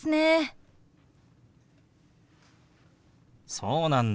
そうなんだ。